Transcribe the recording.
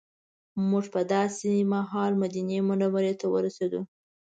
موږ په داسې مهال مدینې منورې ته ورسېدو.